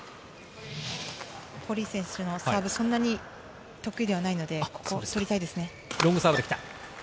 ポリイ選手のサーブ、そんなに得意ではないので取りたいですね。